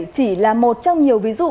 chỉ là một trong nhiều ví dụ